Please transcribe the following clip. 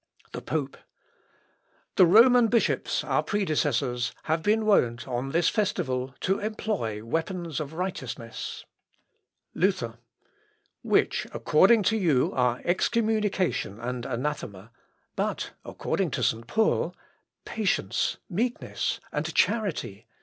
The Pope. "The Roman bishops, our predecessors, have been wont, on this festival, to employ the weapons of righteousness."... Luther. "Which, according to you, are excommunication and anathema, but according to St. Paul, patience, meekness, and charity."